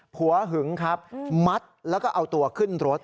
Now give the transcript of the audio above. หึงครับมัดแล้วก็เอาตัวขึ้นรถ